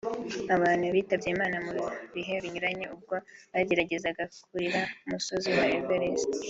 abantu bitabye Imana mu bihe binyuranye ubwo bageragezaga kurira umusozi wa Everest